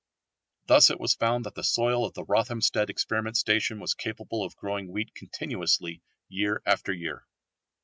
Thus it was found that the soil of the Rothamsted Experiment Station was capable of growing wheat continuously year after year.